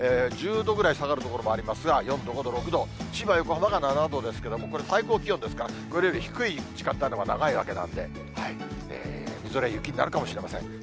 １０度ぐらい下がる所もありますが、４度、５度、６度、千葉、横浜が７度ですけれども、これ、最高気温ですから、これより低い時間帯のほうが長いわけなんで、みぞれ、雪になるかもしれません。